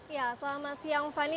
ya selamat siang fani